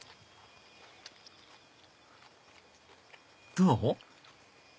どう？